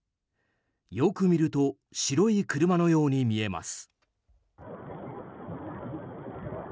よく見ると白い車のように見えます。